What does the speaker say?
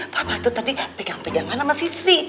papa tuh tadi pegang pegangan sama si sri